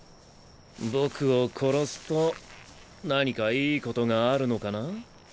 僕を殺すと何かいいことがあるのかな？